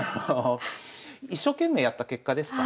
一生懸命やった結果ですからね